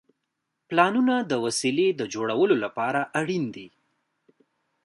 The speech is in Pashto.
پلانونه د وسیلې د جوړولو لپاره اړین دي.